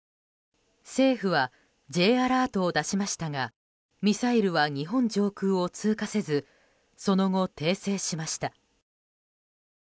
政府はＪアラートを出しましたがミサイルは日本上空を通過せずその後、訂正しました。